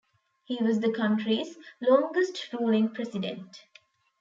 He was the country's longest ruling president.